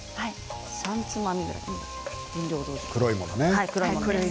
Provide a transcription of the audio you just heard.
３つまみぐらい。